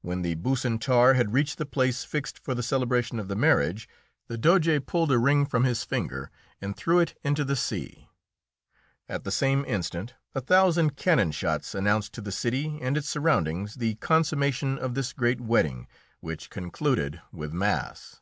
When the Bucentaur had reached the place fixed for the celebration of the marriage, the Doge pulled a ring from his finger and threw it into the sea. At the same instant a thousand cannon shots announced to the city and its surroundings the consummation of this great wedding, which concluded with mass.